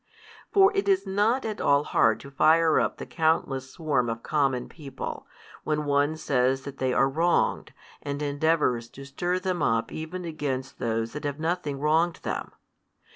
For it is not at all hard to fire up the countless swarm of common people, when one says that they are wronged and endeavours to stir them up even against those that have nothing wronged them.